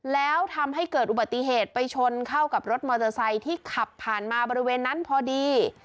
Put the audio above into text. แล้วทำให้เกิดอุบัติเหตุไปชนเข้ากับรถมอเตอร์ไซค์ที่ขับผ่านมาบริเวณนั้นพอดี